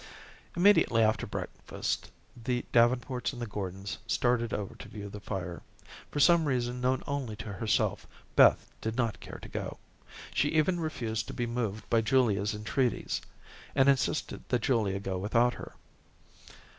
Immediately after breakfast, the Davenports and the Gordons started over to view the fire. For some reason known only to herself, Beth did not care to go. She even refused to be moved by Julia's entreaties, and insisted that Julia go without her.